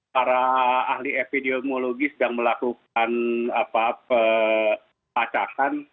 para ahli epidemiologi sedang melakukan apa pacakan